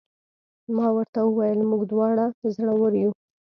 ما ورته وویل: موږ دواړه زړور یو.